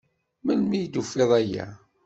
Melmi i d-tufiḍ aya?